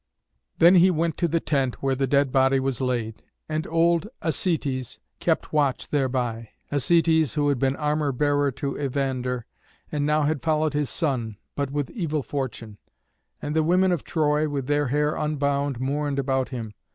Then he went to the tent where the dead body was laid, and old Acœtes kept watch thereby Acœtes, who had been armour bearer to Evander, and now had followed his son, but with evil fortune; and the women of Troy, with their hair unbound, mourned about him.